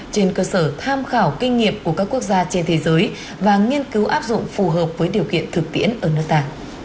trên cơ sở tham khảo kinh nghiệm của các quốc gia trên thế giới và nghiên cứu áp dụng phù hợp với điều kiện thực tiễn ở nước ta